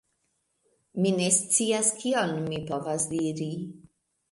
Mi ne scias, kion mi povas diri.